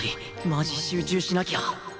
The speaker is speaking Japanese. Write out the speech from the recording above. マジ集中しなきゃ！